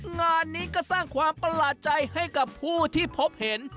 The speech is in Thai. งานนี้ก็สร้างความประหลาดใจให้กับผู้ที่พบเห็น